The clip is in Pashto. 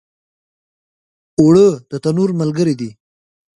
اوړه د تنور ملګری دي